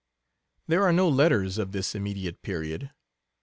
There are no letters of this immediate period.